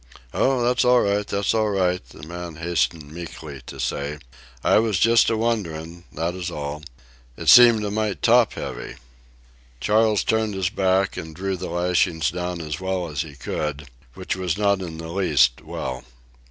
"Oh, that's all right, that's all right," the man hastened meekly to say. "I was just a wonderin', that is all. It seemed a mite top heavy." Charles turned his back and drew the lashings down as well as he could, which was not in the least well.